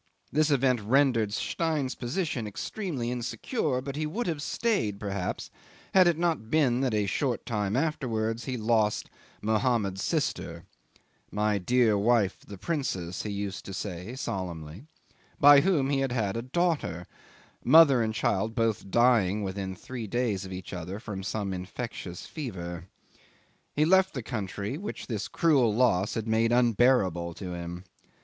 This event rendered Stein's position extremely insecure, but he would have stayed perhaps had it not been that a short time afterwards he lost Mohammed's sister ("my dear wife the princess," he used to say solemnly), by whom he had had a daughter mother and child both dying within three days of each other from some infectious fever. He left the country, which this cruel loss had made unbearable to him.